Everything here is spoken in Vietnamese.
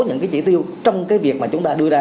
những cái chỉ tiêu trong cái việc mà chúng ta đưa ra